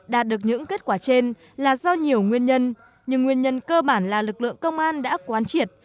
đạt được những kết quả trên là do nhiều nguyên nhân nhưng nguyên nhân cơ bản là lực lượng công an đã quán triệt